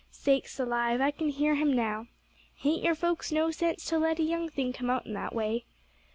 "'Sakes alive!' I can hear him now. 'Hain't your folks no sense to let a young thing come out in that way?'